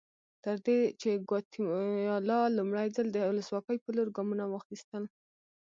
تر دې چې ګواتیلا لومړی ځل د ولسواکۍ په لور ګامونه واخیستل.